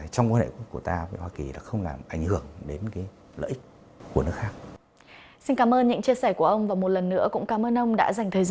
trong quan hệ của ta với hoa kỳ là không làm ảnh hưởng đến lợi ích